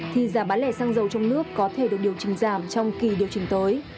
thì giá bán lẻ xăng dầu trong nước có thể được điều chỉnh giảm trong kỳ điều chỉnh tới